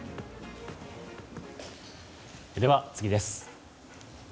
では、次です。